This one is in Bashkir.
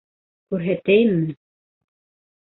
Күрһәтәйемме?